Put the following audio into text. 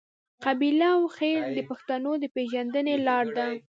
قبیله او خیل د پښتنو د پیژندنې لار ده.